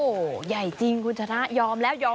โอ้โหใหญ่จริงคุณชนะยอมแล้วยอม